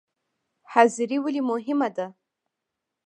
حاضري ولې مهمه ده؟